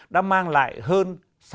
đã mang lại hơn